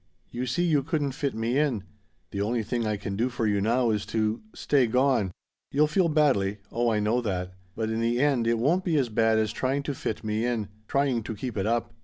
You see you couldn't fit me in. The only thing I can do for you now is to stay gone. You'll feel badly oh, I know that but in the end it won't be as bad as trying to fit me in, trying to keep it up.